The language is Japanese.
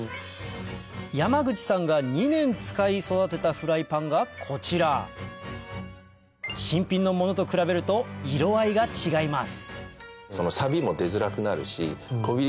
山口さんが２年使い育てたフライパンがこちら新品の物と比べると色合いが違います